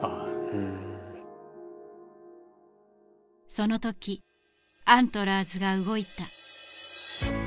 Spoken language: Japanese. その時アントラーズが動いた。